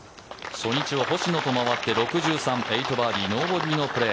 初日を星野と回って６３８バーディーノーボギーのプレー。